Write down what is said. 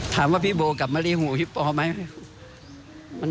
ถามว่าพี่โบกับมะลี้ห่วงพี่ปไหม